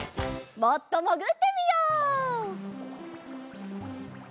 もっともぐってみよう。